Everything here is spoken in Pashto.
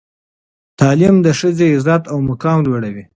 تعلیم د ښځې عزت او مقام لوړوي.